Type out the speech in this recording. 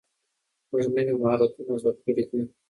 موږ نوي مهارتونه زده کړي دي.